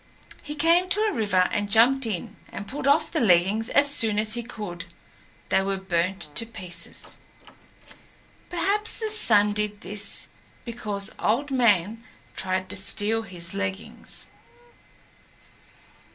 He came to a river and jumped in and pulled off the leggings as soon as he could. They were burnt to pieces. Perhaps the Sun did this because Old Man tried to steal his leggings.